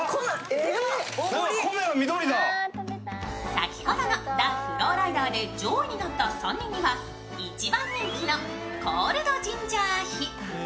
先ほどのダフローライダーで上位になった３人には１番人気のコールド・ジンジャー・アヒ。